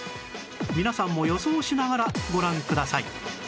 皆さんも予想しながらご覧ください